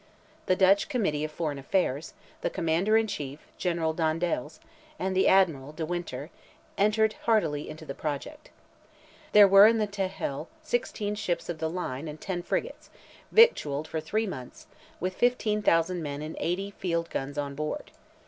The Dutch Committee of Foreign Affairs, the Commander in Chief, General Dandaels, and the Admiral, De Winter, entered heartily into the project. There were in the Texel 16 ships of the line and 10 frigates, victualled for three months, with 15,000 men and 80 field guns on board.